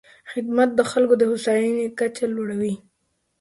خدمت د خلکو د هوساینې کچه لوړوي.